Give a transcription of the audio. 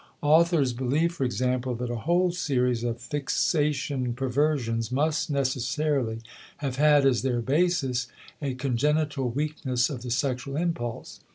Authors believe, for example, that a whole series of fixation perversions must necessarily have had as their basis a congenital weakness of the sexual impulse.